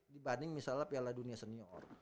dibanding misalnya piala dunia senior